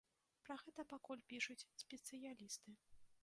Пра гэта пакуль пішуць спецыялісты.